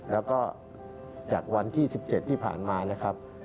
แล้วก็จากวันที่๑๗ที่ผ่านมานะครับ